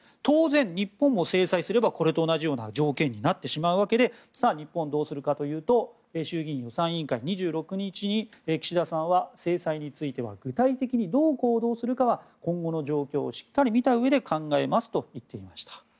当然、日本も制裁すればこれと同じような条件になってしまうわけで日本はどうするかというと衆議院予算委員会、２６日に岸田さんは制裁については具体的にどう行動するかは今後の状況をしっかり見たうえで考えますと言っていました。